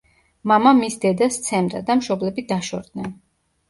მამა მის დედას სცემდა და მშობლები დაშორდნენ.